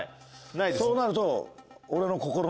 そうなると。